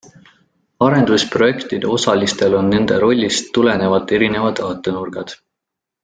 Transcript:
Arendusprojektide osalistel on nende rollist tulenevalt erinevad vaatenurgad.